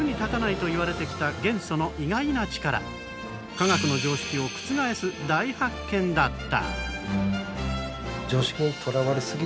化学の常識を覆す大発見だった。